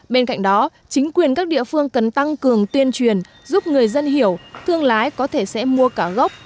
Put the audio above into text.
bên cạnh đó chính quyền các địa phương cần tăng cường tuyên truyền giúp người dân hiểu thương lái có thể sẽ mua cả gốc